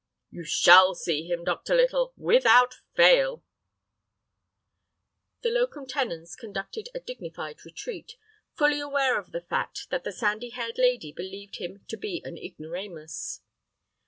"You shall see him, Dr. Little, without fail." The locum tenens conducted a dignified retreat, fully aware of the fact that the sandy haired lady believed him to be an ignoramus.